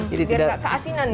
jadi tidak keasinan ya